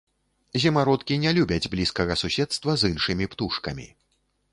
Зімародкі не любяць блізкага суседства з іншымі птушкамі.